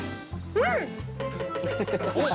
うん！